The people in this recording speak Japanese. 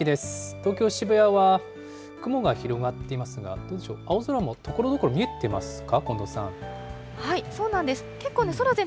東京・渋谷は雲が広がっていますが、どうでしょう、青空もところどころ見えていますか？